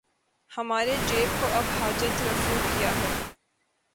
ہمارے جیب کو اب حاجت رفو کیا ہے